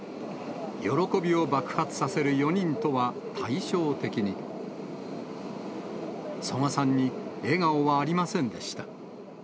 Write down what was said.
喜びを爆発させる４人とは対照的に、曽我さんに笑顔はありませんでした。